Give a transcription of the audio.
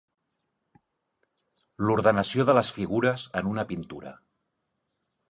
L'ordenació de les figures en una pintura.